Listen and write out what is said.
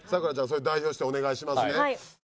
それ代表してお願いしますね。